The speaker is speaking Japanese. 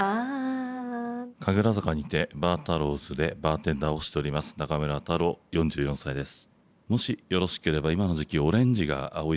・神楽坂にてＢａｒＴａｒｒｏｗ’ｓでバーテンダーをしております中村太郎４４歳です。